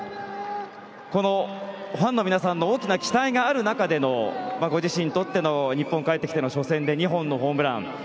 このファンの皆さんの大きな期待がある中でのご自身にとっての日本に帰ってきての初戦で２本のホームラン。